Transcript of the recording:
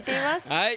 はい。